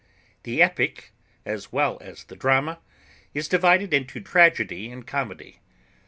The EPIC, as well as the DRAMA, is divided into tragedy and comedy.